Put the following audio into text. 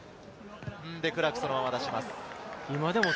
そのまま出します。